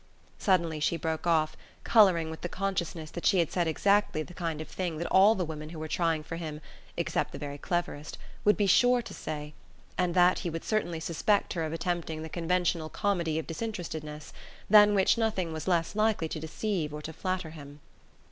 Suddenly she broke off, colouring with the consciousness that she had said exactly the kind of thing that all the women who were trying for him (except the very cleverest) would be sure to say; and that he would certainly suspect her of attempting the conventional comedy of disinterestedness, than which nothing was less likely to deceive or to flatter him.